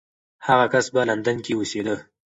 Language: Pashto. هغه کس په لندن کې اوسېده.